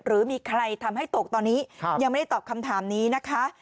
หรือมีใครทำให้ตกตอนนี้ยังไม่ได้ตอบคำถามนี้นะคะ